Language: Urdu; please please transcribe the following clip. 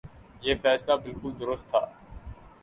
یہ فیصلہ بالکل درست تھا۔